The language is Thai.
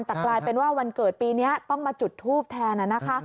แต่กลายเป็นว่าวันเกิดปีนี้ต้องมาจุดทูปแทนนะคะ